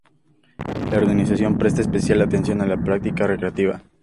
La organización presta especial atención a la práctica recreativa.